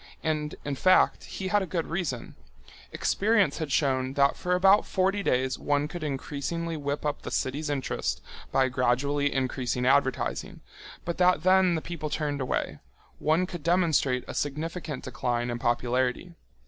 And, in fact, he had a good reason. Experience had shown that for about forty days one could increasingly whip up a city's interest by gradually increasing advertising, but that then the people turned away—one could demonstrate a significant decline in popularity.